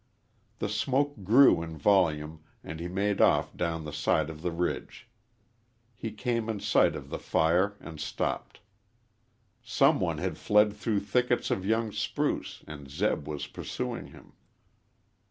The smoke grew in volume and he made off down the side of the ridge. He came in sight of the fire and stopped. Some one had fled through thickets of young spruce and Zeb was pursuing him.